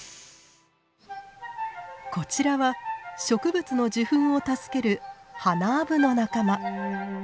こちらは植物の受粉を助けるハナアブの仲間。